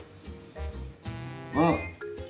うん！